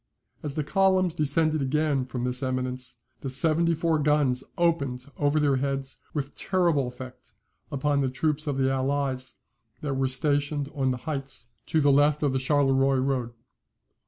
As the columns descended again from this eminence, the seventy four guns opened over their heads with terrible effect upon the troops of the Allies that were stationed on the heights to the left of the Charleroi road.